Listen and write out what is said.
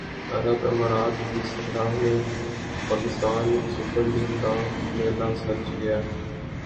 عرب امارات کے صحرا میں پاکستان سپر لیگ کا میلہ سج گیا